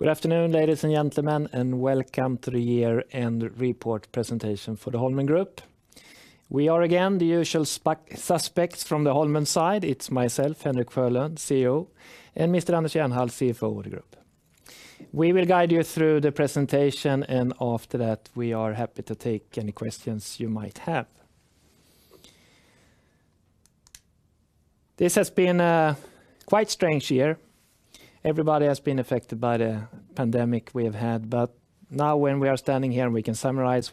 Good afternoon, ladies and gentlemen, and welcome to the year-end report presentation for the Holmen Group. We are again the usual suspects from the Holmen side. It is myself, Henrik Sjölund, CEO, and Mr. Anders Jernhall, CFO of the group. We will guide you through the presentation, and after that, we are happy to take any questions you might have. This has been a quite strange year. Everybody has been affected by the pandemic we have had. Now when we are standing here, and we can summarize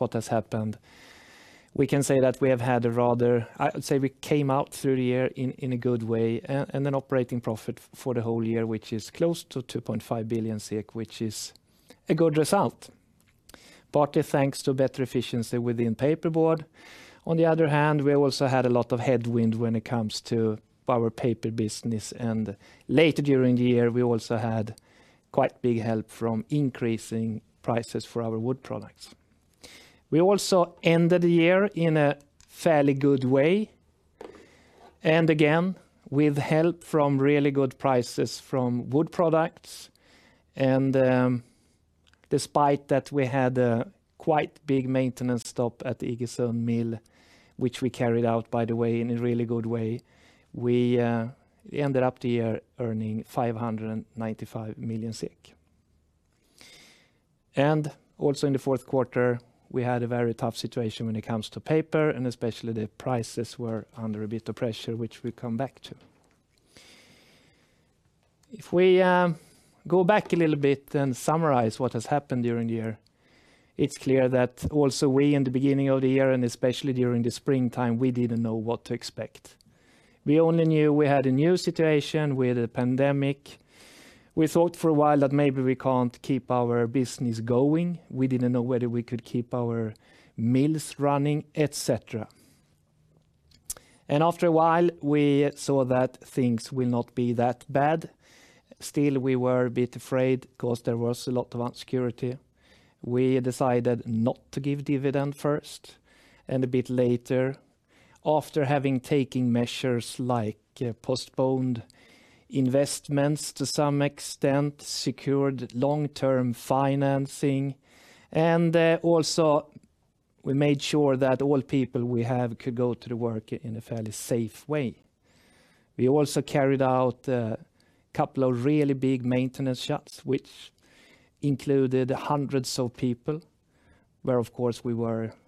what has happened, we can say that we came out through the year in a good way, and an operating profit for the whole year, which is close to SEK 2.5 billion, which is a good result, partly thanks to better efficiency within paperboard. We also had a lot of headwind when it comes to our paper business, and later during the year, we also had quite big help from increasing prices for our wood products. We also ended the year in a fairly good way, and again, with help from really good prices from wood products, and despite that we had a quite big maintenance stop at Iggesund Mill, which we carried out, by the way, in a really good way. We ended up the year earning SEK 595 million. Also in the fourth quarter, we had a very tough situation when it comes to paper, and especially the prices were under a bit of pressure, which we'll come back to. If we go back a little bit and summarize what has happened during the year, it's clear that also we in the beginning of the year, and especially during the springtime, we didn't know what to expect. We only knew we had a new situation with the pandemic. We thought for a while that maybe we can't keep our business going. We didn't know whether we could keep our mills running, et cetera. After a while, we saw that things will not be that bad. Still, we were a bit afraid because there was a lot of insecurity. We decided not to give dividend first, and a bit later, after having taken measures like postponed investments to some extent, secured long-term financing, and also we made sure that all people we have could go to the work in a fairly safe way. We also carried out a couple of really big maintenance shifts, which included hundreds of people, where, of course, we were quite scared that this could go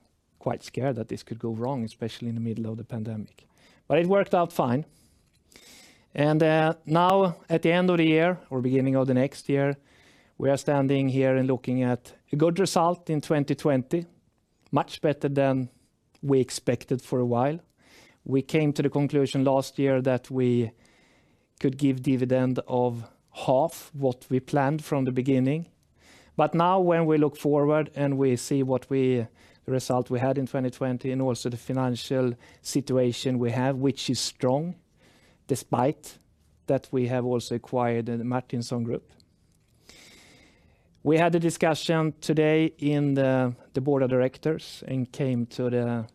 wrong, especially in the middle of the pandemic. It worked out fine. Now at the end of the year or beginning of the next year, we are standing here and looking at a good result in 2020, much better than we expected for a while. We came to the conclusion last year that we could give dividend of half what we planned from the beginning. Now when we look forward and we see what result we had in 2020 and also the financial situation we have, which is strong, despite that we have also acquired the Martinsons group. We had a discussion today in the board of directors and came to the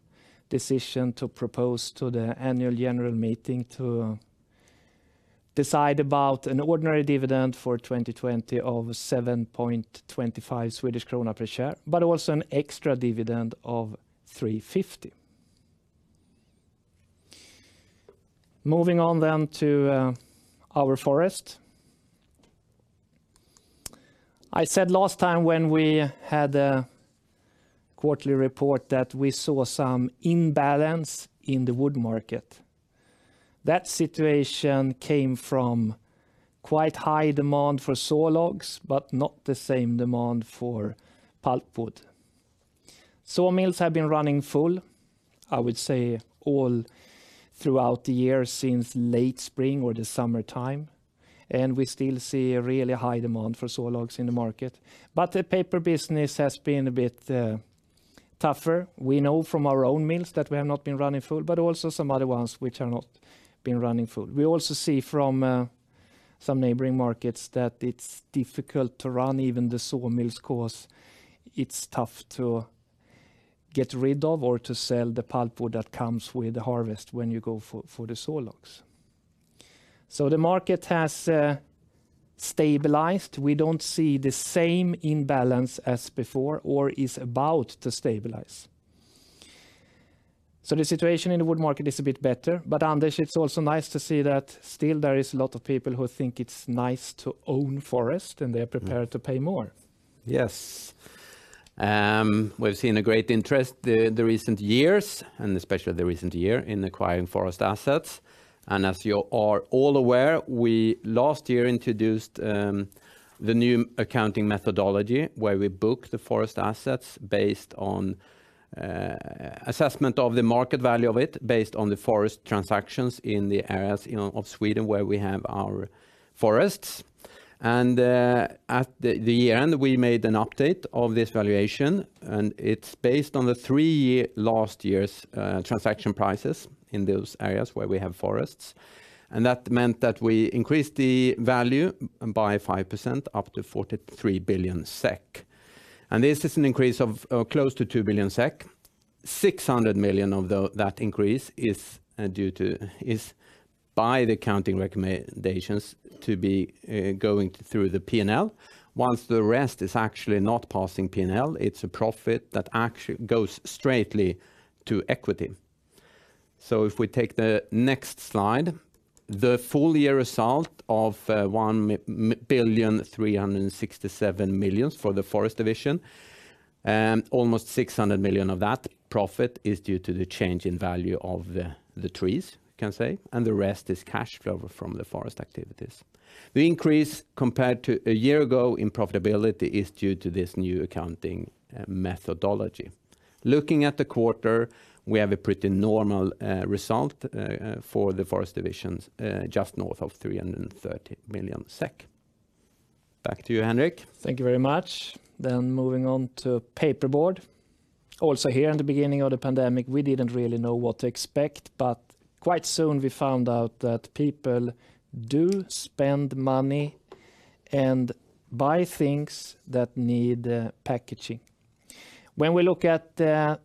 decision to propose to the annual general meeting to decide about an ordinary dividend for 2020 of 7.25 Swedish krona per share, but also an extra dividend of 3.50. Moving on to our Forest. I said last time when we had a quarterly report that we saw some imbalance in the wood market. That situation came from quite high demand for sawlogs, not the same demand for pulpwood. Sawmills have been running full, I would say all throughout the year since late spring or the summertime. We still see a really high demand for sawlogs in the market. The paper business has been a bit tougher. We know from our own mills that we have not been running full, but also some other ones which have not been running full. We also see from some neighboring markets that it's difficult to run even the sawmills because it's tough to get rid of or to sell the pulpwood that comes with the harvest when you go for the sawlogs. The market has stabilized. We don't see the same imbalance as before or is about to stabilize. The situation in the wood market is a bit better. Anders, it's also nice to see that still there is a lot of people who think it's nice to own forest, and they are prepared to pay more. Yes. We've seen a great interest the recent years, especially the recent year in acquiring forest assets. As you are all aware, we last year introduced the new accounting methodology where we book the forest assets based on assessment of the market value of it, based on the forest transactions in the areas in Sweden where we have our forests. At the end, we made an update of this valuation, and it's based on the three last year's transaction prices in those areas where we have forests. That meant that we increased the value by 5%, up to 43 billion SEK. This is an increase of close to 2 billion SEK. 600 million of that increase is by the accounting recommendations to be going through the P&L, whilst the rest is actually not passing P&L. It's a profit that actually goes straightly to equity. If we take the next slide, the full year result of 1,367 million for the forest division, almost 600 million of that profit is due to the change in value of the trees, you can say, and the rest is cash flow from the Forest activities. The increase compared to a year ago in profitability is due to this new accounting methodology. Looking at the quarter, we have a pretty normal result for the forest division, just north of 330 million SEK. Back to you, Henrik. Thank you very much. Moving on to Paperboard. Also here, in the beginning of the pandemic, we didn't really know what to expect, but quite soon we found out that people do spend money and buy things that need packaging. When we look at the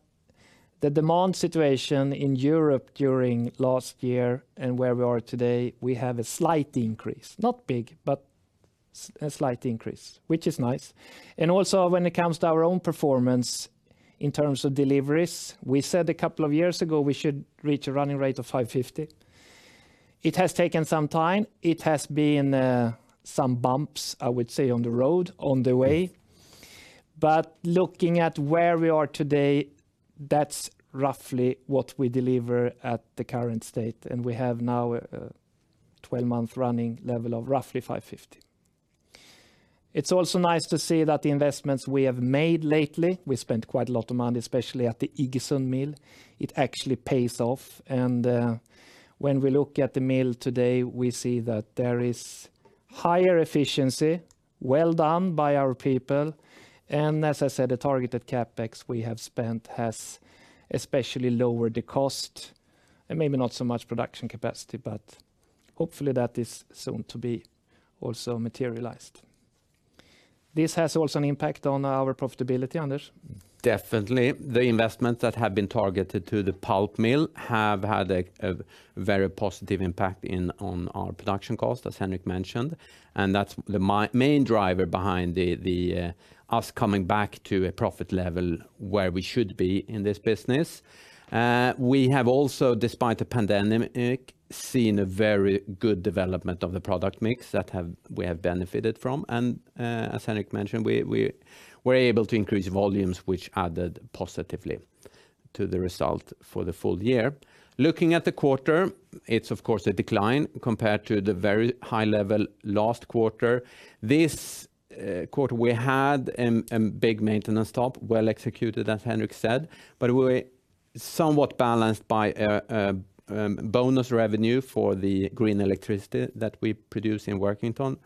demand situation in Europe during last year and where we are today, we have a slight increase. Not big, but a slight increase, which is nice. Also when it comes to our own performance in terms of deliveries, we said a couple of years ago, we should reach a running rate of 550. It has taken some time. It has been some bumps, I would say, on the road, on the way. Looking at where we are today, that's roughly what we deliver at the current state, and we have now a 12-month running level of roughly 550. It's also nice to see that the investments we have made lately, we spent quite a lot of money, especially at the Iggesund mill. It actually pays off, and when we look at the mill today, we see that there is higher efficiency. Well done by our people. As I said, the targeted CapEx we have spent has especially lowered the cost, and maybe not so much production capacity, but hopefully that is soon to be also materialized. This has also an impact on our profitability, Anders. Definitely. The investments that have been targeted to the pulp mill have had a very positive impact on our production cost, as Henrik mentioned. That's the main driver behind us coming back to a profit level where we should be in this business. We have also, despite the pandemic, seen a very good development of the product mix that we have benefited from. As Henrik mentioned, we were able to increase volumes, which added positively to the result for the full year. Looking at the quarter, it's of course a decline compared to the very high level last quarter. This quarter, we had a big maintenance stop, well executed, as Henrik said. We're somewhat balanced by a bonus revenue for the green electricity that we produce in Workington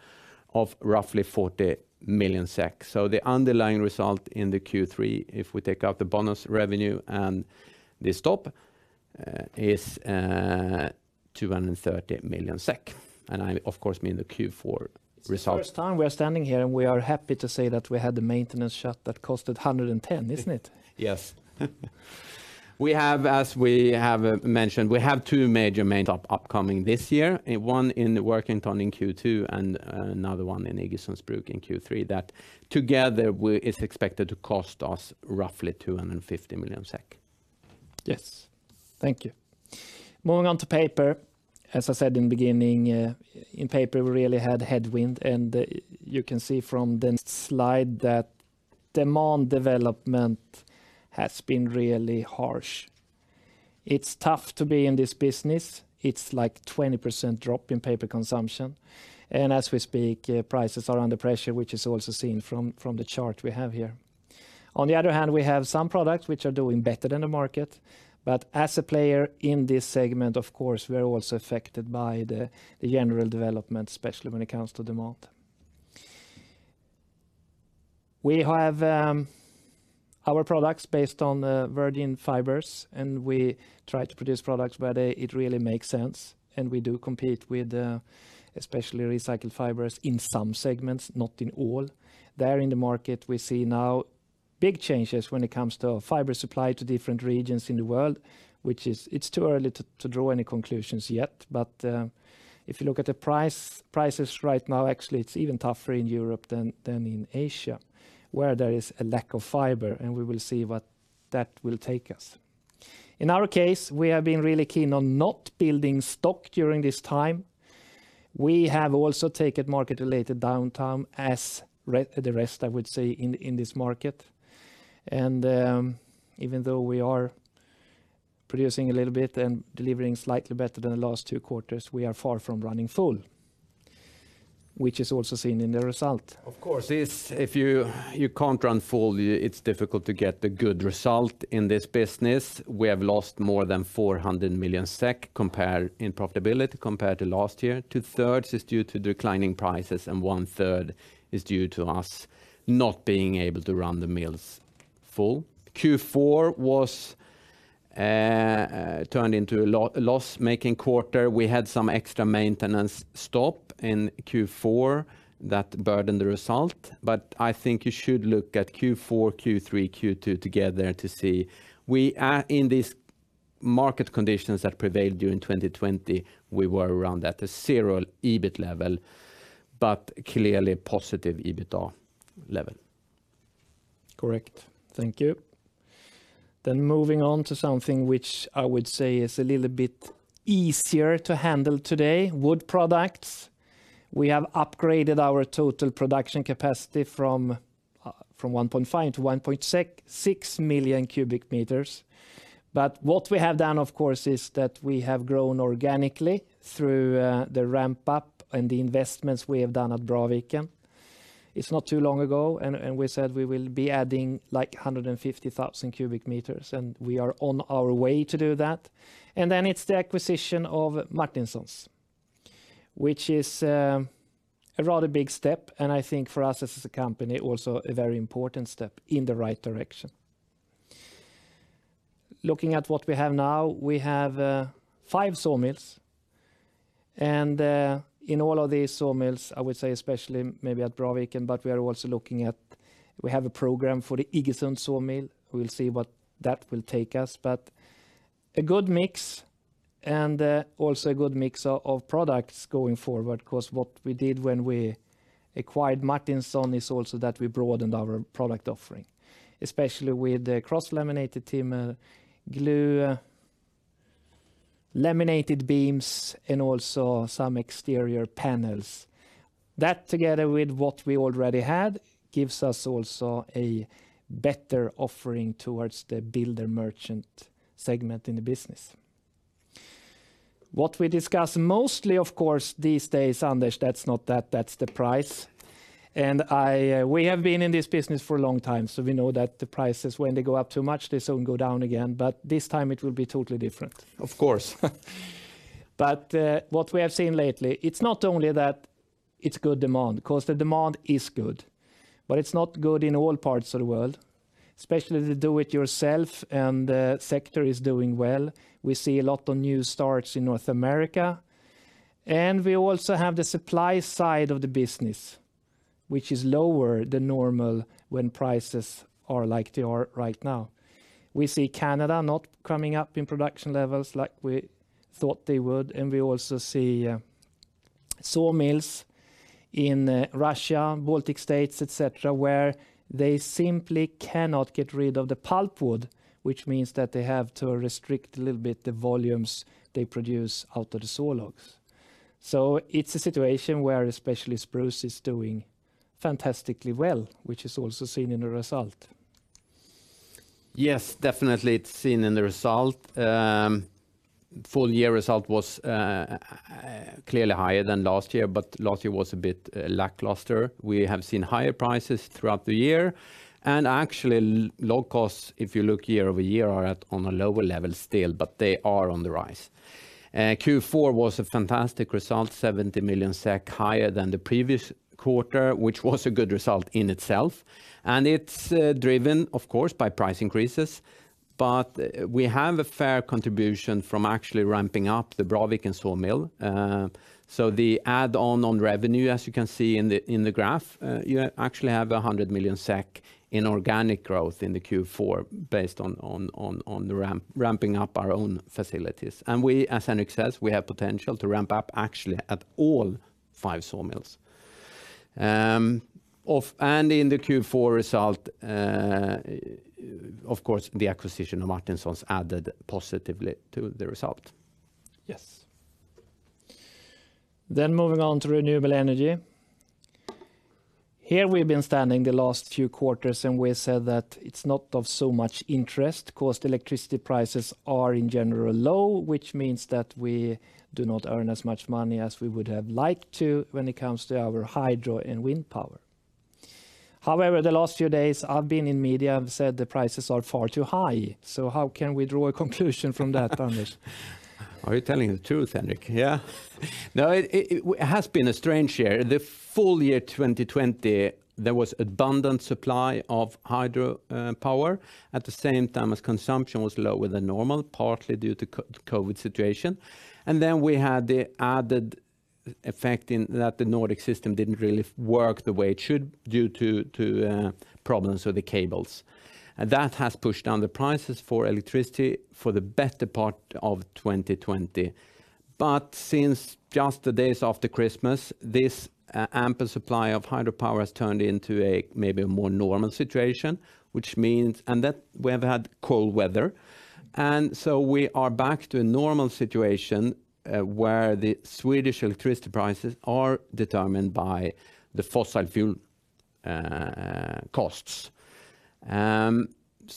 of roughly 40 million. The underlying result in the Q3, if we take out the bonus revenue and the stop, is 230 million SEK, and I of course mean the Q4 results. It's the first time we are standing here, and we are happy to say that we had the maintenance shut that cost 110, isn't it? Yes. As we have mentioned, we have two major main upcoming this year. One in Workington in Q2 and another one in Iggesunds in Q3 that together is expected to cost us roughly 250 million SEK. Yes. Thank you. Moving on to Paper. As I said in the beginning, in Paper, we really had headwind, and you can see from the slide that demand development has been really harsh. It's tough to be in this business. It's 20% drop in paper consumption. As we speak, prices are under pressure, which is also seen from the chart we have here. On the other hand, we have this market. Even though we are producing a little bit and delivering slightly better than the last two quarters, we are far from running full, which is also seen in the result. Of course. If you can't run full, it's difficult to get a good result in this business. We have lost more than SEK 400 million in profitability compared to last year. Two-thirds is due to declining prices, and one-third is due to us not being able to run the mills full. Q4 was turned into a loss-making quarter. We had some extra maintenance stop in Q4 that burdened the result. I think you should look at Q4, Q3, Q2 together to see. In these market conditions that prevailed during 2020, we were around at a zero EBIT level, but clearly positive EBITDA level. Correct. Thank you. Moving on to something which I would say is a little bit easier to handle today, wood products. We have upgraded our total production capacity from 1.5 to 1.6 million cubic meters. What we have done, of course, is that we have grown organically through the ramp-up and the investments we have done at Braviken. It's not too long ago, and we said we will be adding 150,000 cu m, and we are on our way to do that. It's the acquisition of Martinsons, which is a rather big step, and I think for us as a company, also a very important step in the right direction. Looking at what we have now, we have five sawmills, and in all of these sawmills, I would say especially maybe at Braviken, but we have a program for the Iggesund sawmill. We'll see where that will take us, but a good mix, and also a good mix of products going forward, because what we did when we acquired Martinsons is also that we broadened our product offering, especially with cross-laminated timber, glue-laminated beams, and also some exterior panels. That together with what we already had, gives us also a better offering towards the builder merchant segment in the business. What we discuss mostly, of course, these days, Anders, that's the price. We have been in this business for a long time, we know that the prices, when they go up too much, they soon go down again. This time it will be totally different. Of course. What we have seen lately, it's not only that it's good demand, because the demand is good, but it's not good in all parts of the world, especially the do-it-yourself sector is doing well. We see a lot of new starts in North America. We also have the supply side of the business, which is lower than normal when prices are like they are right now. We see Canada not coming up in production levels like we thought they would, and we also see sawmills in Russia, Baltic states, et cetera, where they simply cannot get rid of the pulpwood, which means that they have to restrict a little bit the volumes they produce out of the sawlogs. It's a situation where especially spruce is doing fantastically well, which is also seen in the result. Yes, definitely it's seen in the result. Full year result was clearly higher than last year. Last year was a bit lackluster. We have seen higher prices throughout the year. Actually log costs, if you look year-over-year, are at on a lower level still, but they are on the rise. Q4 was a fantastic result, 70 million SEK higher than the previous quarter, which was a good result in itself. It's driven, of course, by price increases. We have a fair contribution from actually ramping up the Braviken sawmill. The add on on revenue, as you can see in the graph, you actually have 100 million SEK in organic growth in the Q4 based on the ramping up our own facilities. As Henrik says, we have potential to ramp up actually at all five sawmills. In the Q4 result, of course, the acquisition of Martinsons added positively to the result. Moving on to renewable energy. Here we've been standing the last few quarters, and we said that it's not of so much interest because the electricity prices are in general low, which means that we do not earn as much money as we would have liked to when it comes to our hydro and wind power. The last few days I've been in media and said the prices are far too high. How can we draw a conclusion from that, Anders? Are you telling the truth, Henrik? Yeah. No, it has been a strange year. The full year 2020, there was abundant supply of hydropower at the same time as consumption was lower than normal, partly due to COVID situation. Then we had the added effect in that the Nordic system didn't really work the way it should due to problems with the cables. That has pushed down the prices for electricity for the better part of 2020. Since just the days after Christmas, this ample supply of hydropower has turned into a maybe more normal situation, and that we have had cold weather. So we are back to a normal situation where the Swedish electricity prices are determined by the fossil fuel costs.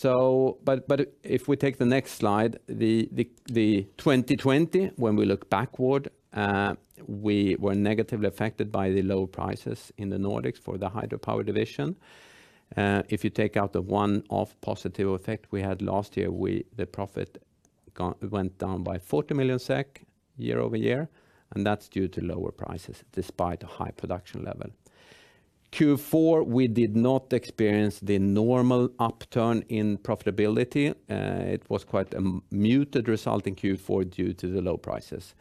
If we take the next slide, 2020, when we look backward, we were negatively affected by the low prices in the Nordics for the hydropower division. If you take out the one-off positive effect we had last year, the profit went down by 40 million SEK year-over-year, and that's due to lower prices despite a high production level. Q4, we did not experience the normal upturn in profitability. It was quite a muted result in Q4 due to the low prices.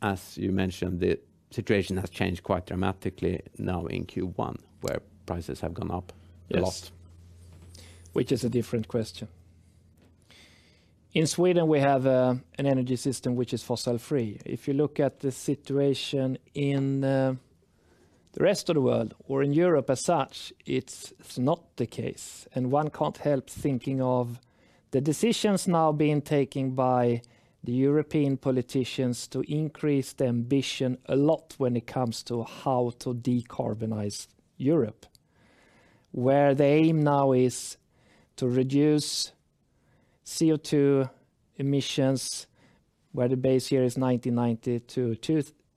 As you mentioned, the situation has changed quite dramatically now in Q1, where prices have gone up a lot. Yes. Which is a different question. In Sweden, we have an energy system which is fossil-free. If you look at the situation in the rest of the world or in Europe as such, it's not the case. One can't help thinking of the decisions now being taken by the European politicians to increase the ambition a lot when it comes to how to decarbonize Europe, where the aim now is to reduce CO2 emissions, where the base year is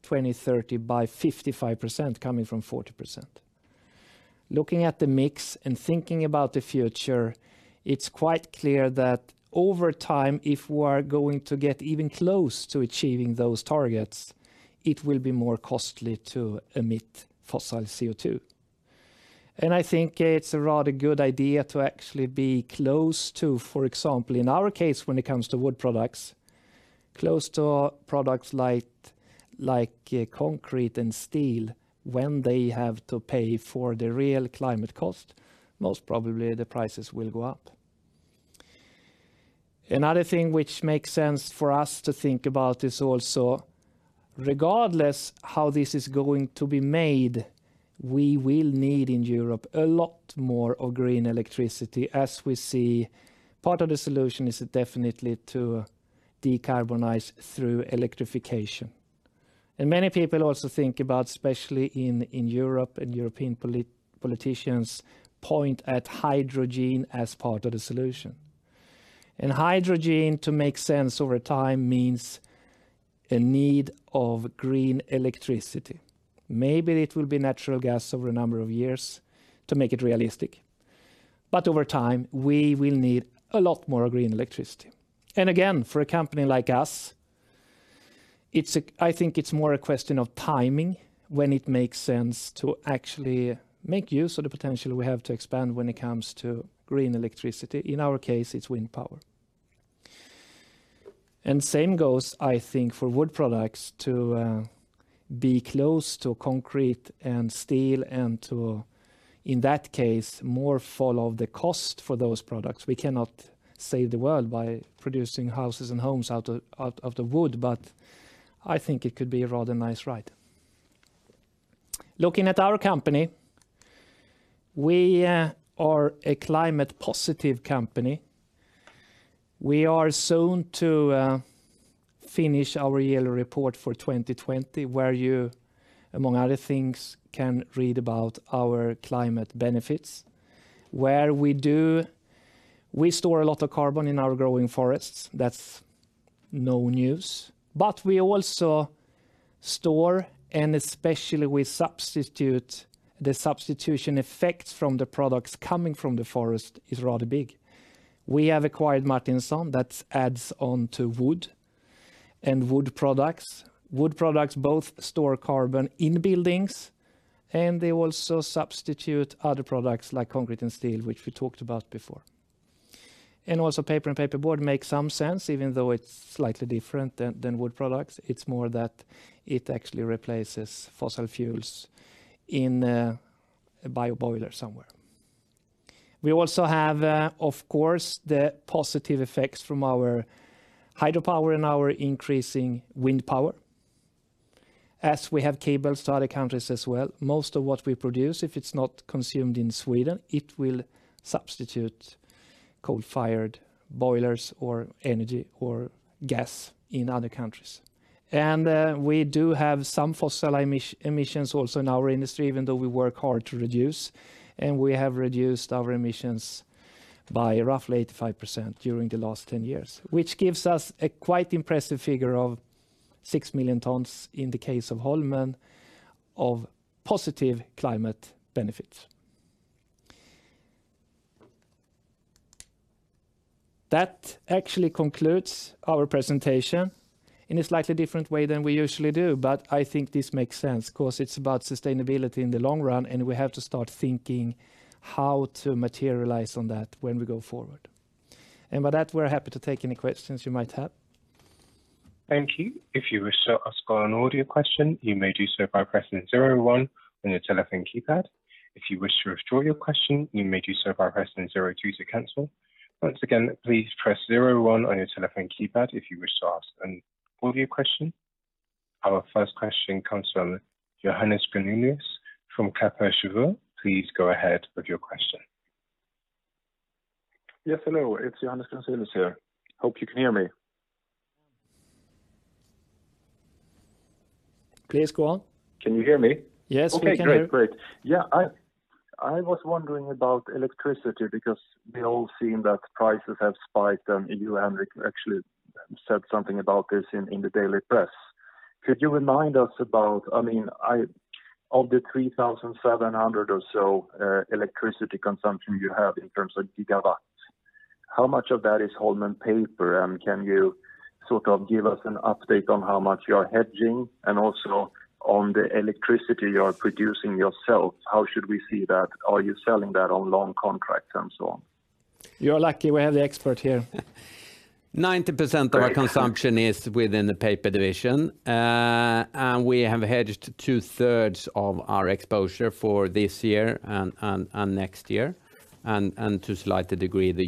1990 to 2030 by 55%, coming from 40%. Looking at the mix and thinking about the future, it's quite clear that over time, if we are going to get even close to achieving those targets, it will be more costly to emit fossil CO2. I think it's a rather good idea to actually be close to, for example, in our case, when it comes to wood products, close to products like concrete and steel when they have to pay for the real climate cost, most probably the prices will go up. Another thing which makes sense for us to think about is also, regardless how this is going to be made, we will need in Europe a lot more of green electricity. As we see, part of the solution is definitely to decarbonize through electrification. Many people also think about, especially in Europe, and European politicians point at hydrogen as part of the solution. Hydrogen, to make sense over time, means a need of green electricity. Maybe it will be natural gas over a number of years to make it realistic, but over time, we will need a lot more green electricity. Again, for a company like us, I think it's more a question of timing when it makes sense to actually make use of the potential we have to expand when it comes to green electricity. In our case, it's wind power. Same goes, I think, for wood products to be close to concrete and steel and to, in that case, more follow the cost for those products. We cannot save the world by producing houses and homes out of the wood, but I think it could be a rather nice ride. Looking at our company, we are a climate positive company. We are soon to finish our yearly report for 2020, where you, among other things, can read about our climate benefits, where we store a lot of carbon in our growing forests. That's no news. We also store and especially we substitute, the substitution effects from the products coming from the forest is rather big. We have acquired Martinsons that adds on to wood and wood products. Wood products both store carbon in buildings, and they also substitute other products like concrete and steel, which we talked about before. Also paper and paper board makes some sense, even though it's slightly different than wood products. It's more that it actually replaces fossil fuels in a bio boiler somewhere. We also have, of course, the positive effects from our hydropower and our increasing wind power. As we have cables to other countries as well, most of what we produce, if it's not consumed in Sweden, it will substitute coal-fired boilers or energy or gas in other countries. We do have some fossil emissions also in our industry, even though we work hard to reduce, and we have reduced our emissions by roughly 85% during the last 10 years, which gives us a quite impressive figure of 6 million tons in the case of Holmen of positive climate benefits. That actually concludes our presentation in a slightly different way than we usually do, but I think this makes sense because it's about sustainability in the long run, and we have to start thinking how to materialize on that when we go forward. With that, we're happy to take any questions you might have. Thank you. If you wish to ask an audio question, you may do so by pressing zero one on your telephone keypad. If you wish to withdraw your question, you may do so by pressing zero two to cancel. Once again, please press zero one on your telephone keypad if you wish to ask an audio question. Our first question comes from Johannes Grunselius from Kepler Cheuvreux. Please go ahead with your question. Yes, hello, it's Johannes Grunselius here. Hope you can hear me. Please go on. Can you hear me? Yes, we can hear you. Okay, great. Yeah, I was wondering about electricity because we all seen that prices have spiked and you, Henrik, actually said something about this in the daily press. Could you remind us about, of the 3,700 or so electricity consumption you have in terms of gigawatts? How much of that is Holmen Paper, and can you give us an update on how much you are hedging, and also on the electricity you are producing yourself? How should we see that? Are you selling that on long contracts and so on? You are lucky we have the expert here. 90% of our consumption is within the paper division. We have hedged two-thirds of our exposure for this year and next year, and to slight degree the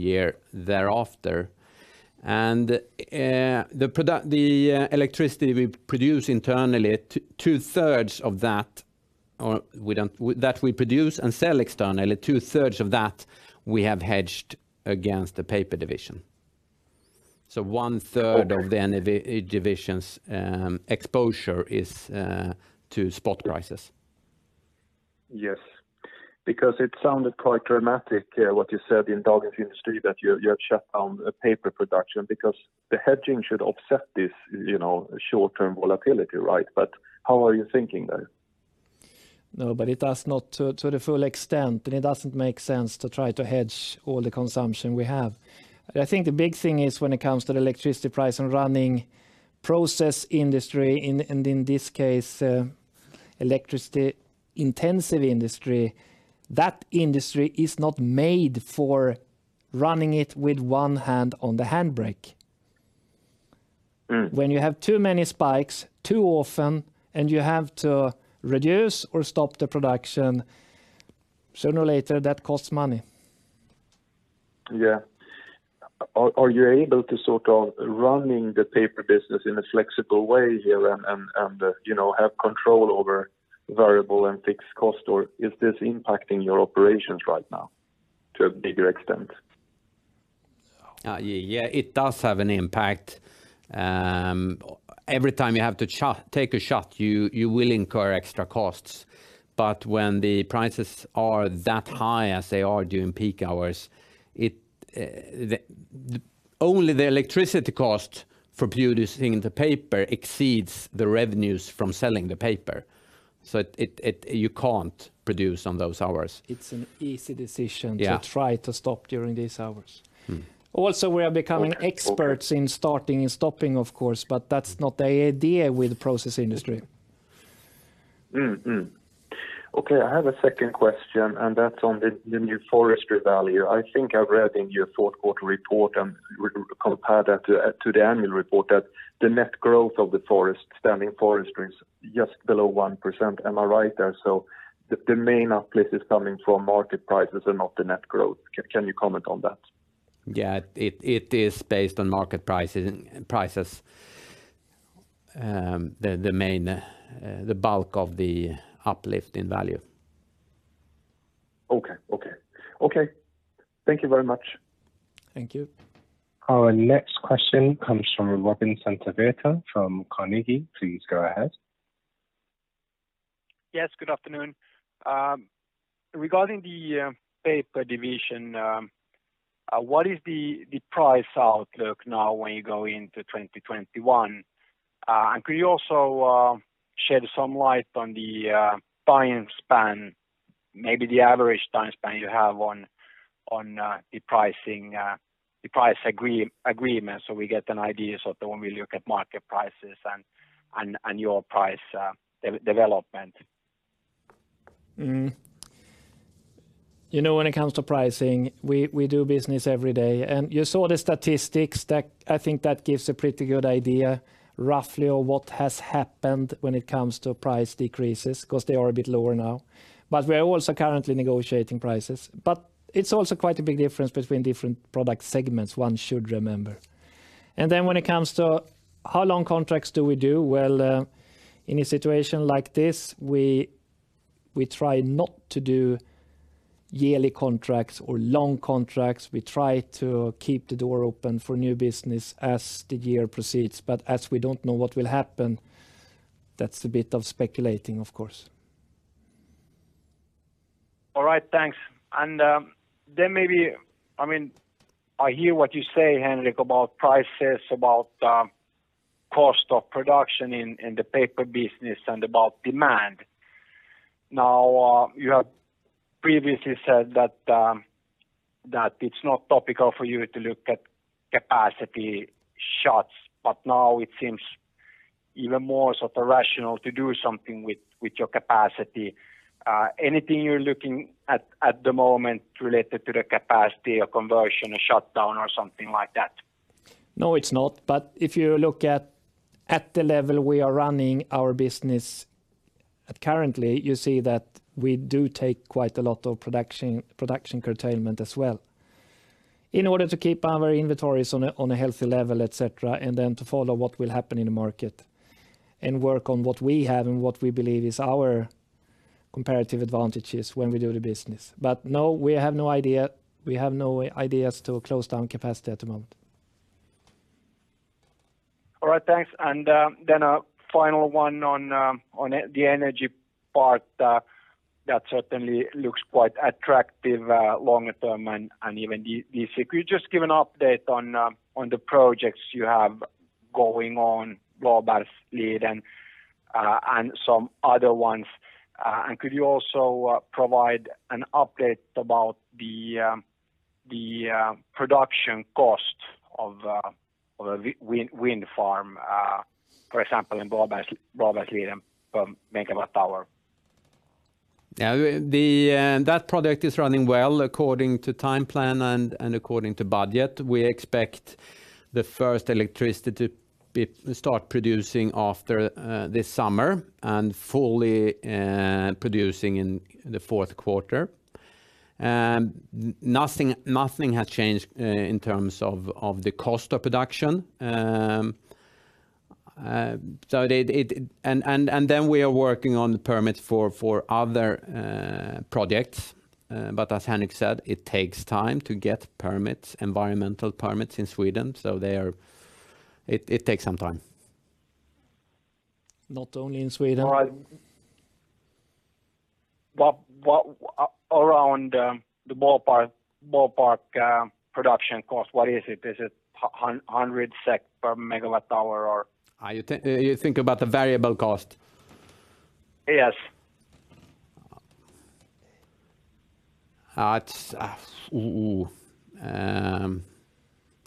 year thereafter. The electricity we produce internally, two-thirds of that, or that we produce and sell externally, two-thirds of that we have hedged against the paper division. One-third of the energy division's exposure is to spot prices. Yes. It sounded quite dramatic what you said in Dagens Industri, that you have shut down a paper production because the hedging should offset this short-term volatility, right? How are you thinking there? No, it does not to the full extent. It doesn't make sense to try to hedge all the consumption we have. I think the big thing is when it comes to the electricity price and running process industry, and in this case, electricity intensive industry, that industry is not made for running it with one hand on the handbrake. When you have too many spikes, too often, and you have to reduce or stop the production, sooner or later, that costs money. Yeah. Are you able to run the paper business in a flexible way here and have control over variable and fixed costs, or is this impacting your operations right now to a bigger extent? Yeah, it does have an impact. Every time you have to take a shut, you will incur extra costs. When the prices are that high as they are during peak hours, only the electricity cost for producing the paper exceeds the revenues from selling the paper. You can't produce on those hours. It's an easy decision. Yeah. To try to stop during these hours. We are becoming experts in starting and stopping, of course, but that's not the idea with process industry. Okay, I have a second question, and that's on the new forestry value. I think I read in your fourth quarter report, and compare that to the annual report that the net growth of the forest, standing forestry is just below 1%. Am I right there? The main uplift is coming from market prices and not the net growth. Can you comment on that? Yeah. It is based on market prices, the bulk of the uplift in value. Okay. Thank you very much. Thank you. Our next question comes from Robin Santavirta from Carnegie. Please go ahead. Yes, good afternoon. Regarding the paper division, what is the price outlook now when you go into 2021? Could you also shed some light on the time span, maybe the average time span you have on the price agreement so we get an idea sort of when we look at market prices and your price development? When it comes to pricing, we do business every day. You saw the statistics that I think that gives a pretty good idea roughly of what has happened when it comes to price decreases, because they are a bit lower now. We are also currently negotiating prices. It's also quite a big difference between different product segments, one should remember. When it comes to how long contracts do we do, well, in a situation like this, we try not to do yearly contracts or long contracts. We try to keep the door open for new business as the year proceeds. As we don't know what will happen, that's a bit of speculating, of course. All right. Thanks. I hear what you say, Henrik, about prices, about cost of production in the paper business, and about demand. Now it seems even more rational to do something with your capacity. Anything you're looking at the moment related to the capacity or conversion or shutdown or something like that? No, it's not. If you look at the level we are running our business currently, you see that we do take quite a lot of production curtailment as well in order to keep our inventories on a healthy level, et cetera, and then to follow what will happen in the market and work on what we have and what we believe is our comparative advantages when we do the business. No, we have no ideas to close down capacity at the moment. All right. Thanks. Then a final one on the energy part that certainly looks quite attractive longer term and even this. Could you just give an update on the projects you have going on, Blåbergsliden? Some other ones. Could you also provide an update about the production cost of a wind farm, for example, in Blåbergsliden per megawatt hour? That project is running well according to time plan and according to budget. We expect the first electricity to start producing after this summer and fully producing in the fourth quarter. Nothing has changed in terms of the cost of production. We are working on permits for other projects. As Henrik said, it takes time to get environmental permits in Sweden, so it takes some time. Not only in Sweden. Around the ballpark production cost, what is it? Is it 100 SEK per megawatt hour or? You think about the variable cost? Yes.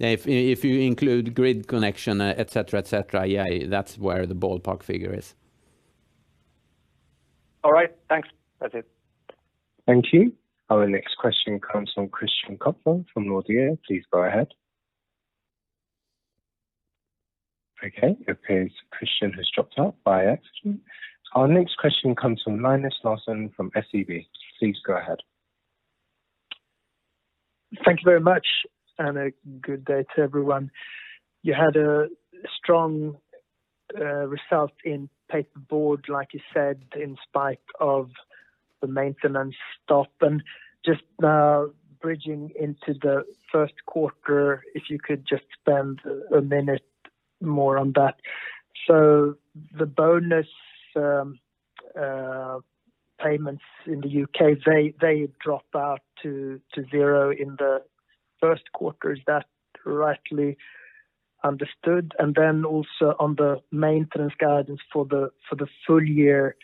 If you include grid connection, et cetera. Yeah, that's where the ballpark figure is. All right, thanks. That's it. Thank you. Our next question comes from Christian Kopfer from Nordea. Please go ahead. Okay, it appears Christian has dropped out by accident. Our next question comes from Linus Larsson from SEB. Please go ahead. Thank you very much, and a good day to everyone. You had a strong result in paper board, like you said, in spite of the maintenance stop. Just bridging into the first quarter, if you could just spend a minute more on that. The bonus payments in the U.K., they drop out to zero in the first quarter. Is that rightly understood? Also on the maintenance guidance for the full year,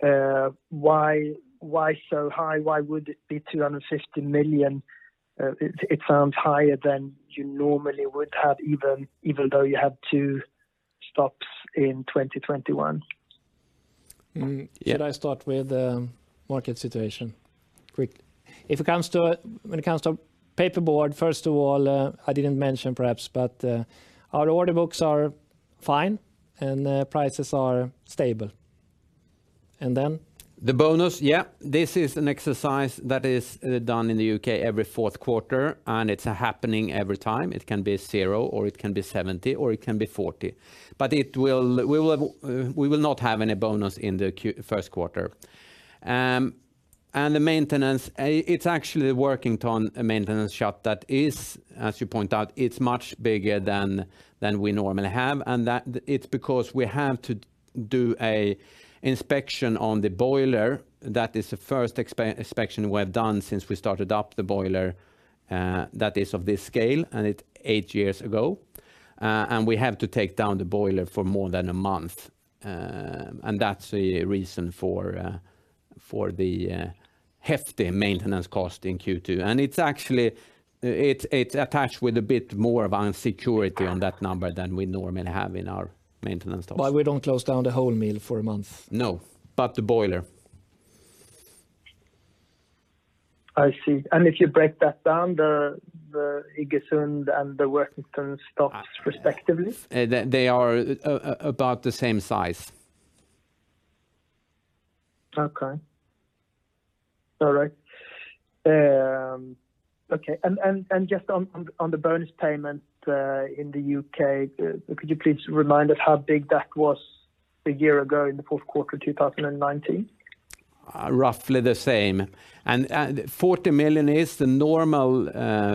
why so high? Why would it be 250 million? It sounds higher than you normally would have, even though you had two stops in 2021. Should I start with the market situation quickly? When it comes to paperboard, first of all, I didn't mention perhaps, but our order books are fine, and prices are stable. Then? The bonus, yeah. This is an exercise that is done in the U.K. every fourth quarter. It's happening every time. It can be zero. It can be 70. It can be 40. We will not have any bonus in the first quarter. The maintenance, it's actually the Workington maintenance shut that is, as you point out, it's much bigger than we normally have. It's because we have to do an inspection on the boiler. That is the first inspection we have done since we started up the boiler that is of this scale. It's eight years ago. We have to take down the boiler for more than a month. That's the reason for the hefty maintenance cost in Q2. It's attached with a bit more of an insecurity on that number than we normally have in our maintenance costs. We don't close down the whole mill for a month? No, but the boiler. I see. If you break that down, the Iggesund and the Workington stops respectively? They are about the same size. Okay. All right. Okay. Just on the bonus payment in the U.K., could you please remind us how big that was a year ago in the fourth quarter 2019? Roughly the same. 40 million is the normal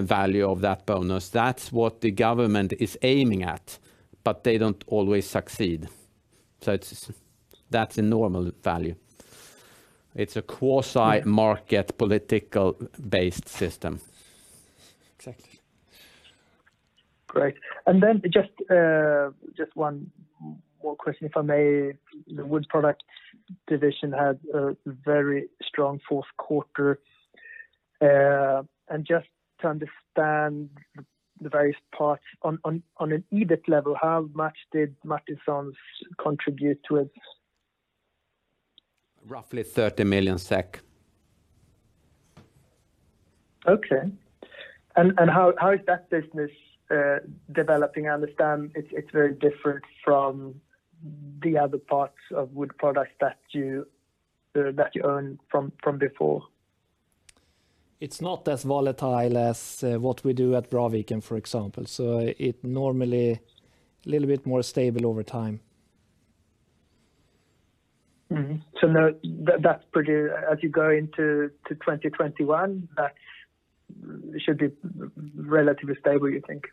value of that bonus. That's what the government is aiming at, but they don't always succeed. That's a normal value. It's a quasi-market political-based system. Exactly. Great. Just one more question, if I may. The wood product division had a very strong fourth quarter. Just to understand the various parts on an EBIT level, how much did Martinsons contribute to it? Roughly SEK 30 million. Okay. How is that business developing? I understand it's very different from the other parts of wood products that you own from before. It's not as volatile as what we do at Braviken, for example. It normally a little bit more stable over time. As you go into 2021, that should be relatively stable, you think?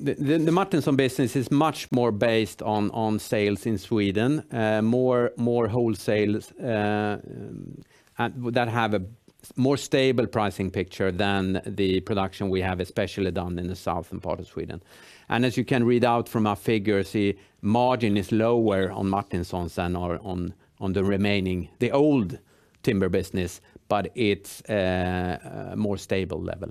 The Martinsons business is much more based on sales in Sweden, more wholesales-That have a more stable pricing picture than the production we have, especially down in the southern part of Sweden. As you can read out from our figures, the margin is lower on Martinsons than on the remaining, the old timber business, but it's a more stable level.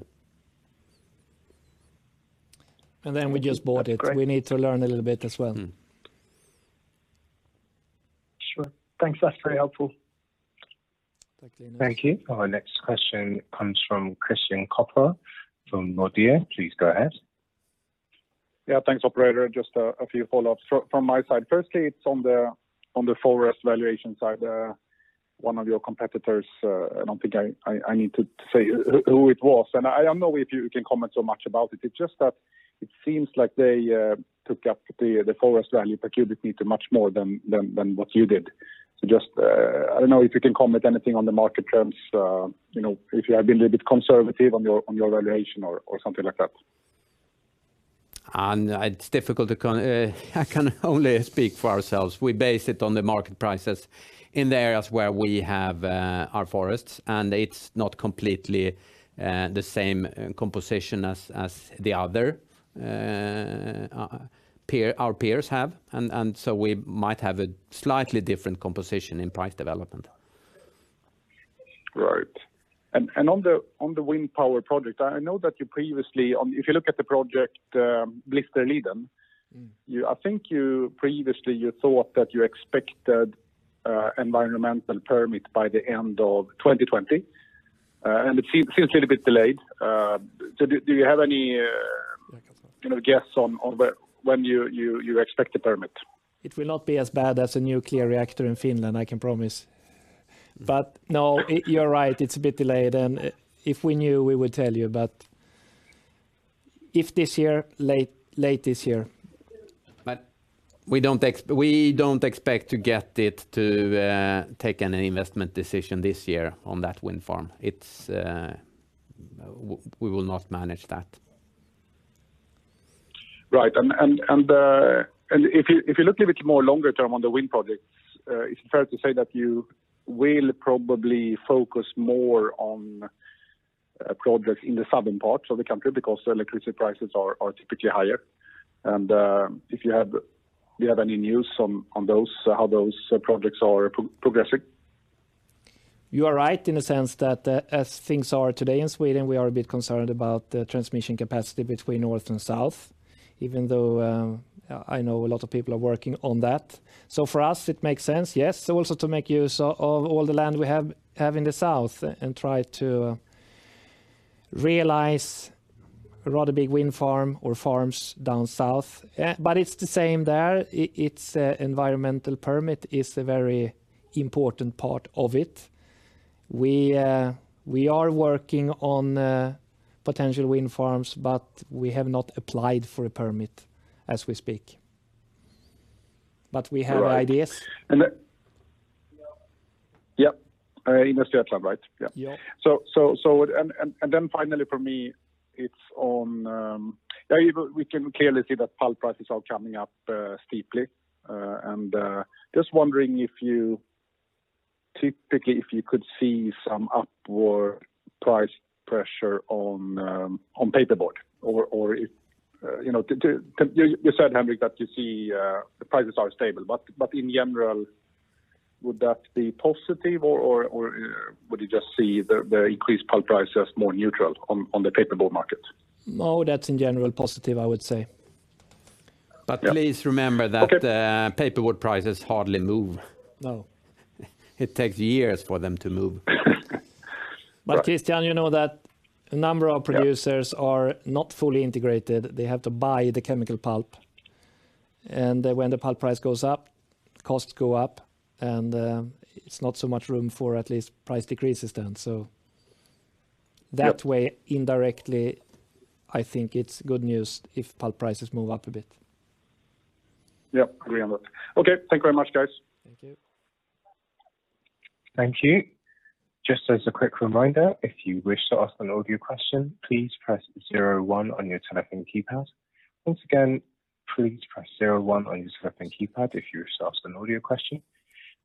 We just bought it. We need to learn a little bit as well. Sure. Thanks. That's very helpful. Thank you. Thank you. Our next question comes from Christian Kopfer from Nordea. Please go ahead. Yeah, thanks, operator. Just a few follow-ups from my side. Firstly, it's on the forest valuation side, one of your competitors, I don't think I need to say who it was, and I don't know if you can comment so much about it. It's just that it seems like they took up the forest value per cubic meter much more than what you did. Just, I don't know if you can comment anything on the market trends, if you have been a bit conservative on your valuation or something like that. I can only speak for ourselves. We base it on the market prices in the areas where we have our forests, and it's not completely the same composition as our peers have. We might have a slightly different composition in price development. Right. On the wind power project, I know that you previously, if you look at the project Blisterliden, I think previously you thought that you expected environmental permit by the end of 2020, and it seems that. For us, it makes sense, yes. Also to make use of all the land we have in the south and try to realize a rather big wind farm or farms down south. It's the same there. Its environmental permit is a very important part of it. We are working on potential wind farms, but we have not applied for a permit as we speak. We have ideas. Right. Yep. In Östersjötrafik, right? Yep. Finally for me, we can clearly see that pulp prices are coming up steeply. Just wondering if you could see some upward price pressure on paperboard? You said, Henrik, that you see the prices are stable, in general, would that be positive, or would you just see the increased pulp price as more neutral on the paperboard market? No, that's in general positive, I would say. Please remember. Okay. The paperboard prices hardly move. No. It takes years for them to move. Right. Christian, you know that a number of producers are not fully integrated. They have to buy the chemical pulp, and when the pulp price goes up, costs go up, and it's not so much room for at least price decreases then. That way, indirectly, I think it's good news if pulp prices move up a bit. Yep. Agree on that. Okay. Thank you very much, guys. Thank you. Thank you.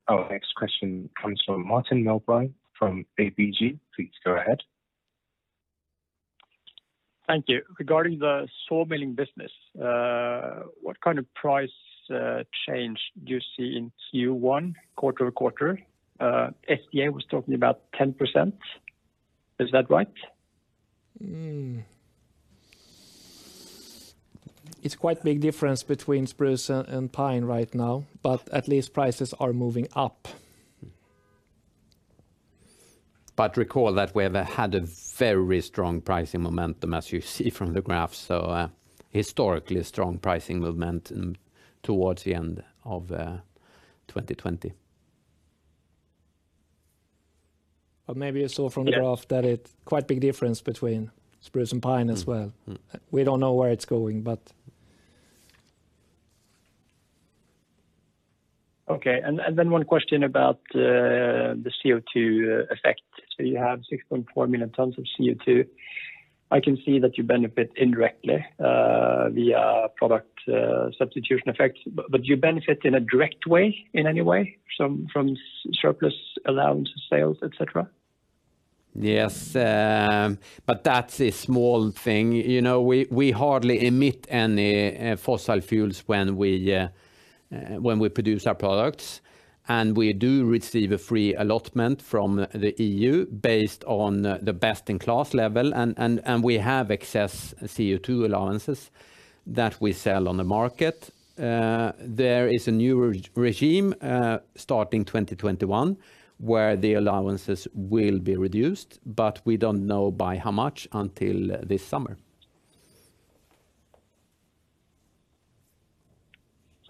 Our next question comes from Martin Melbye from ABG. Please go ahead. Thank you. Regarding the sawmilling business, what kind of price change do you see in Q1 quarter-over-quarter? SCA was talking about 10%. Is that right? It's quite a big difference between spruce and pine right now, but at least prices are moving up. Recall that we have had a very strong pricing momentum, as you see from the graph, so historically strong pricing movement towards the end of 2020. Maybe you saw from the graph that it quite a big difference between spruce and pine as well. We don't know where it's going. One question about the CO2 effect. You have 6.4 million tons of CO2. I can see that you benefit indirectly via product substitution effects, but do you benefit in a direct way in any way from surplus allowance sales, et cetera? Yes, but that's a small thing. We hardly emit any fossil fuels when we produce our products, and we do receive a free allotment from the EU based on the best-in-class level, and we have excess CO2 allowances that we sell on the market. There is a new regime starting 2021, where the allowances will be reduced, but we don't know by how much until this summer.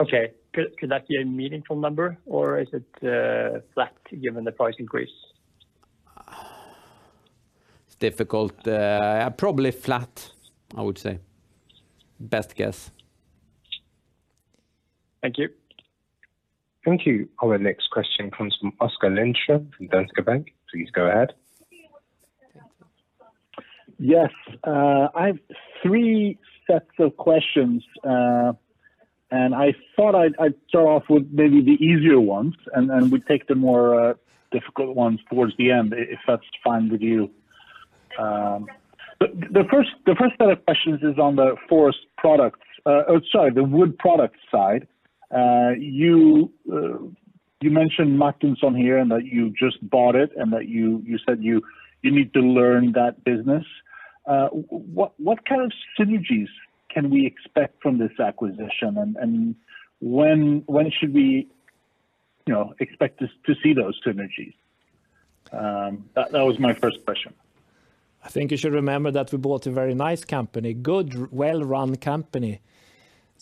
Okay. Could that be a meaningful number, or is it flat given the price increase? It's difficult. Probably flat, I would say. Best guess. Thank you. Thank you. Our next question comes from Oskar Lindström from Danske Bank. Please go ahead. Yes. I have three sets of questions, and I thought I'd start off with maybe the easier ones, and we take the more difficult ones towards the end, if that's fine with you. The first set of questions is on the wood product side. You mentioned Martinsons here and that you just bought it, and that you said you need to learn that business. What kind of synergies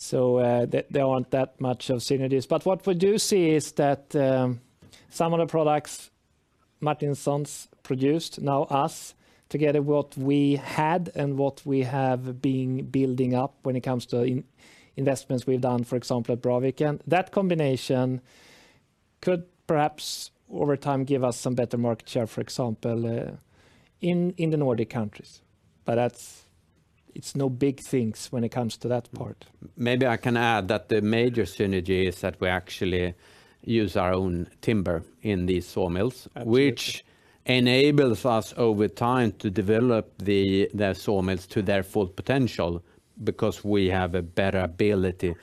can we expect from this acquisition, and when should we expect to see those synergies? That was my first question. I think you should remember that we bought a very nice company, good, well-run company. There aren't that much of synergies. What we do see is that some of the products Martinsons produced, now us, together what we had and what we have been building up when it comes to investments we've done, for example, at Braviken. That combination could perhaps, over time, give us some better market share, for example, in the Nordic countries. It's no big things when it comes to that part. Maybe I can add that the major synergy is that we actually use our own timber in these sawmills. Absolutely. Which enables us over time to develop the sawmills to their full potential, because we have a better ability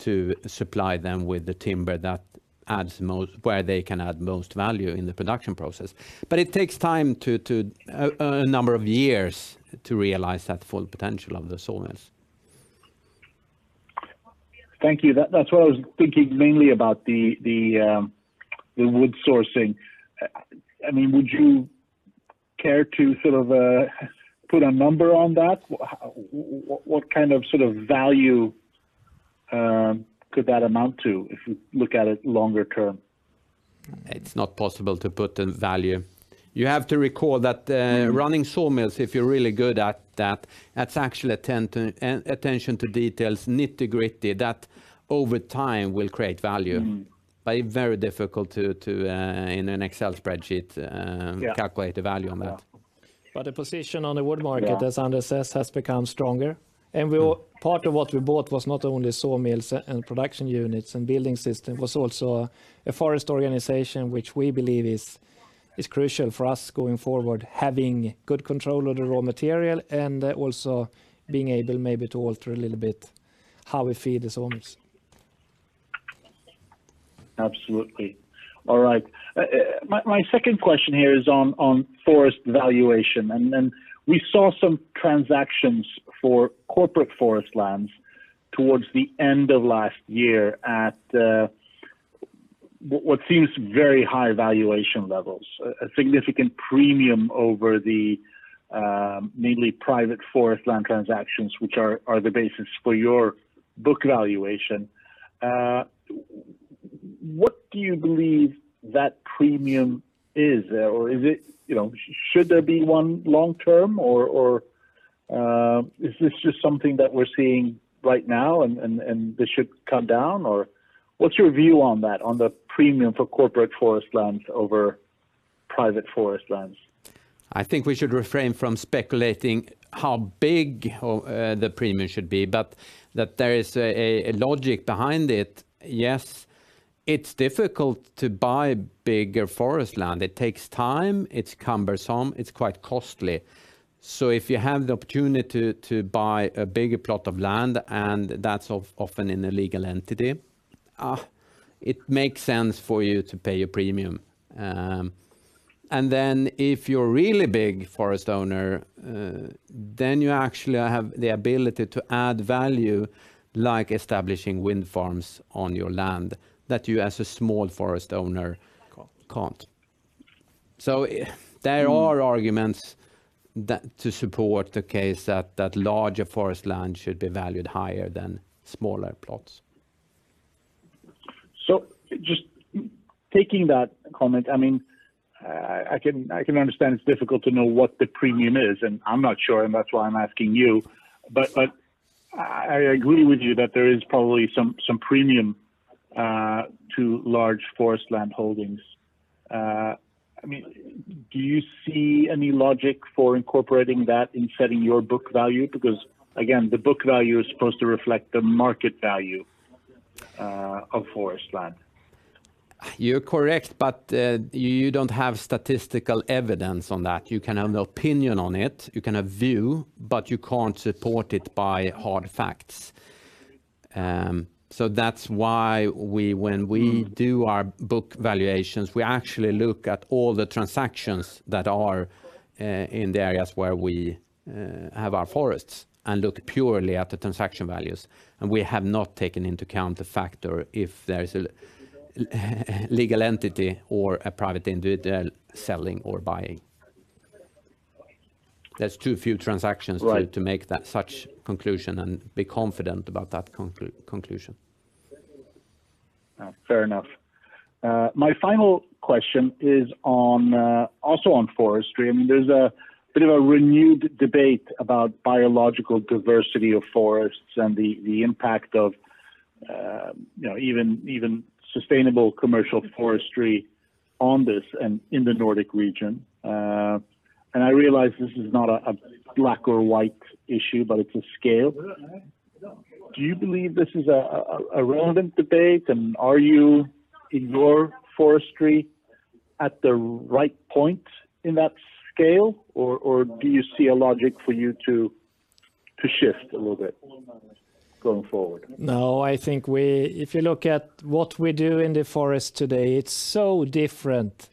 to supply them with the timber where they can add most value in the production process. It takes time, a number of years, to realize that full potential of the sawmills. Thank you. That's what I was thinking, mainly about the wood sourcing. Would you care to sort of put a number on that? What kind of value could that amount to if we look at it longer term? It's not possible to put a value. You have to recall that running sawmills, if you're really good at that's actually attention to details, nitty-gritty, that over time will create value. Yeah. Calculate the value on that. The position on the wood market. Yeah. As Anders says, has become stronger. Part of what we bought was not only sawmills and production units and building system, was also a forest organization, which we believe is crucial for us going forward, having good control of the raw material and also being able maybe to alter a little bit how we feed the sawmills. Absolutely. All right. My second question here is on forest valuation. We saw some transactions for corporate forest lands towards the end of last year at what seems very high valuation levels, a significant premium over the mainly private forest land transactions, which are the basis for your book valuation. What do you believe that premium is? Should there be one long term, or is this just something that we're seeing right now and this should come down? What's your view on that, on the premium for corporate forest lands over private forest lands? I think we should refrain from speculating how big the premium should be, but that there is a logic behind it, yes. It's difficult to buy bigger forest land. It takes time, it's cumbersome, it's quite costly. If you have the opportunity to buy a bigger plot of land, and that's often in a legal entity, it makes sense for you to pay a premium. If you're a really big forest owner, then you actually have the ability to add value, like establishing wind farms on your land that you as a small forest owner can't. There are arguments to support the case that larger forest land should be valued higher than smaller plots. Just taking that comment, I can understand it's difficult to know what the premium is, and I'm not sure, and that's why I'm asking you. I agree with you that there is probably some premium to large forest land holdings. Do you see any logic for incorporating that in setting your book value? Again, the book value is supposed to reflect the market value of forest land. You're correct, but you don't have statistical evidence on that. You can have an opinion on it, you can have view, but you can't support it by hard facts. That's why when we do our book valuations, we actually look at all the transactions that are in the areas where we have our forests and look purely at the transaction values, and we have not taken into account the factor if there is a legal entity or a private individual selling or buying. There's too few transactions. Right. To make that such conclusion and be confident about that conclusion. Fair enough. My final question is also on forestry. There's a bit of a renewed debate about biological diversity of forests and the impact of even sustainable commercial forestry on this and in the Nordic region. I realize this is not a black or white issue, but it's a scale. Do you believe this is a relevant debate? Are you, in your forestry, at the right point in that scale, or do you see a logic for you to shift a little bit going forward? No, I think if you look at what we do in the forest today, it's so different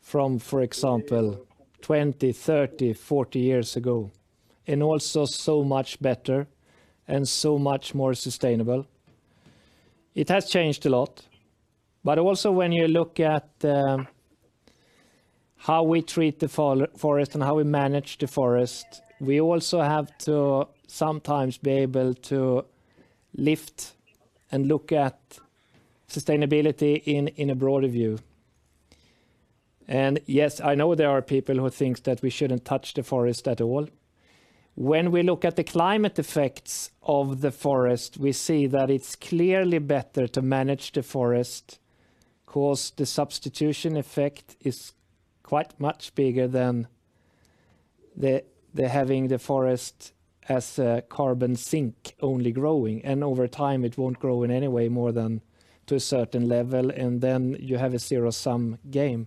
from, for example, 20, 30, 40 years ago, and also so much better and so much more sustainable. It has changed a lot. Also when you look at how we treat the forest and how we manage the forest, we also have to sometimes be able to lift and look at sustainability in a broader view. Yes, I know there are people who think that we shouldn't touch the forest at all. When we look at the climate effects of the forest, we see that it's clearly better to manage the forest because the substitution effect is quite much bigger than the having the forest as a carbon sink only growing, and over time it won't grow in any way more than to a certain level, and then you have a zero-sum game.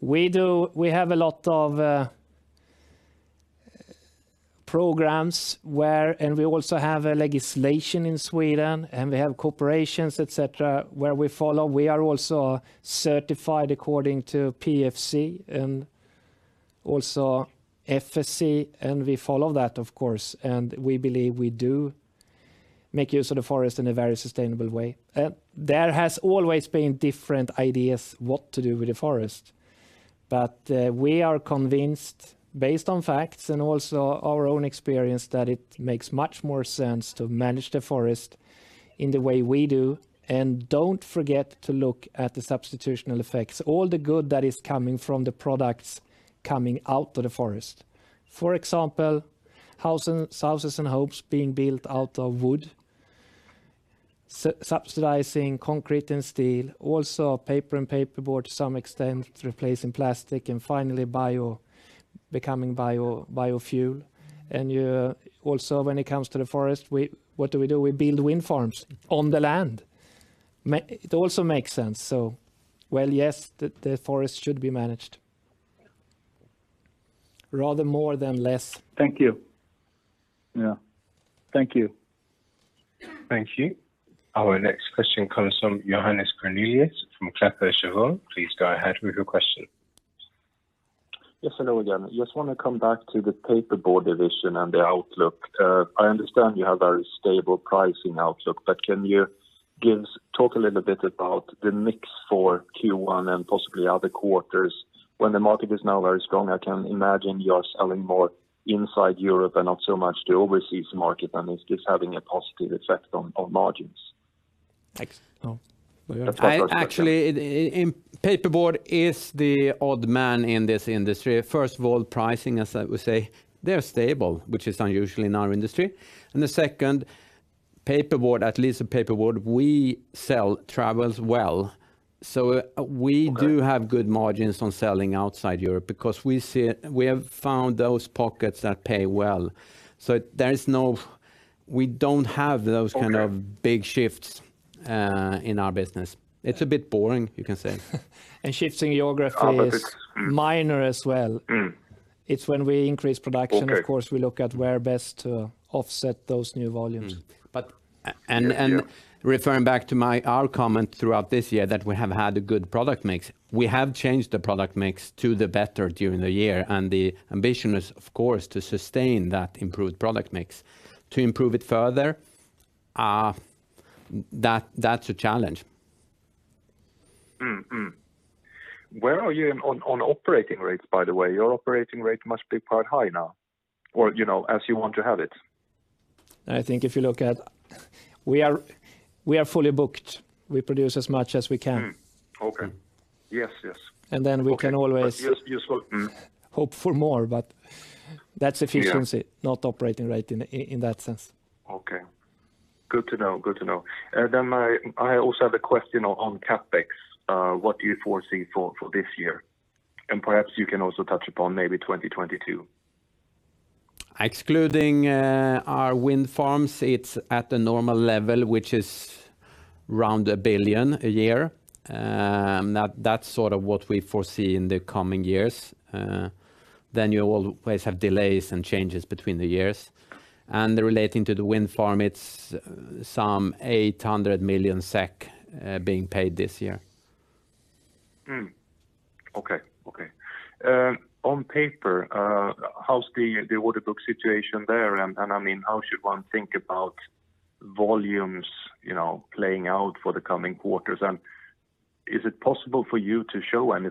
We have a lot of programs where, and we also have a legislation in Sweden, and we have corporations, et cetera, where we follow. We are also certified according to PEFC and also FSC, and we follow that, of course, and we believe we do make use of the forest in a very sustainable way. There has always been different ideas what to do with the forest. We are convinced, based on facts and also our own experience, that it makes much more sense to manage the forest in the way we do. Don't forget to look at the substitutional effects, all the good that is coming from the products coming out of the forest. For example, houses and homes being built out of wood, subsidizing concrete and steel, also paper and paperboard to some extent replacing plastic, and finally becoming biofuel. Also when it comes to the forest, what do we do? We build wind farms on the land. It also makes sense. Well, yes, the forest should be managed rather more than less. Thank you. Yeah. Thank you. Thank you. Our next question comes from Johannes Grunselius from Kepler Cheuvreux. Please go ahead with your question. Yes, hello again. Just want to come back to the paperboard division and the outlook. I understand you have very stable pricing outlook, but can you talk a little bit about the mix for Q1 and possibly other quarters when the market is now very strong? I can imagine you are selling more inside Europe and not so much to overseas market, and it's just having a positive effect on margins. Actually, paperboard is the odd man in this industry. First of all, pricing, as I would say, they're stable, which is unusual in our industry. The second, paperboard, at least the paperboard we sell travels well. We do have good margins on selling outside Europe because we have found those pockets that pay well. We don't have those kind of big shifts in our business. It's a bit boring, you can say. Shifting geography is minor as well. It's when we increase production. Okay. Of course, we look at where best to offset those new volumes. Referring back to our comment throughout this year that we have had a good product mix. We have changed the product mix to the better during the year, and the ambition is, of course, to sustain that improved product mix. To improve it further, that's a challenge. Where are you on operating rates, by the way? Your operating rate must be quite high now, or as you want to have it. I think if you look at, we are fully booked. We produce as much as we can. Okay. Yes. And then we can always hope for more, but that's efficiency. Yeah. Not operating rate in that sense. Okay. Good to know. I also have a question on CapEx. What do you foresee for this year? Perhaps you can also touch upon maybe 2022. Excluding our wind farms, it's at a normal level, which is around 1 billion a year. That's sort of what we foresee in the coming years. You will always have delays and changes between the years. Relating to the wind farm, it's some 800 million SEK being paid this year. Okay. On paper, how's the order book situation there? How should one think about volumes playing out for the coming quarters? Is it possible for you to show any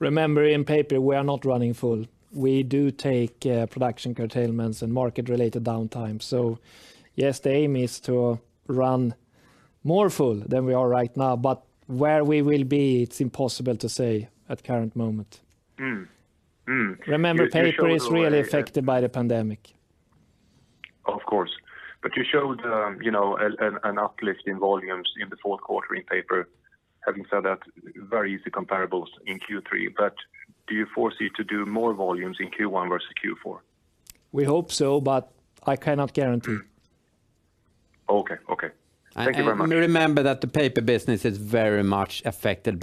sort of growth as you see it now for this year compared to last year? Remember, in Paper, we are not running full. We do take production curtailments and market-related downtime. Yes, the aim is to run more full than we are right now, but where we will be, it's impossible to say at the current moment. Remember, paper is really affected by the pandemic. Of course. You showed an uplift in volumes in the fourth quarter in paper. Having said that, very easy comparables in Q3. Do you foresee to do more volumes in Q1 versus Q4? We hope so, but I cannot guarantee. Okay. Thank you very much. Remember that the paper business is very much affected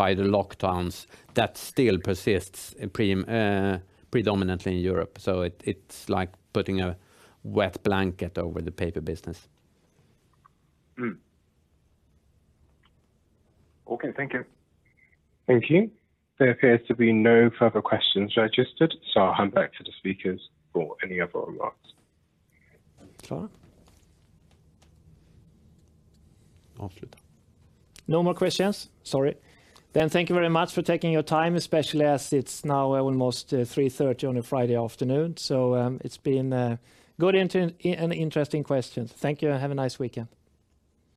by the lockdowns that still persists predominantly in Europe. It's like putting a wet blanket over the paper business. Okay. Thank you. Thank you. There appears to be no further questions registered, so I'll hand back to the speakers for any other remarks. No more questions? Sorry. Thank you very much for taking your time, especially as it's now almost 3:30 P.M. on a Friday afternoon. It's been good and interesting questions. Thank you, and have a nice weekend.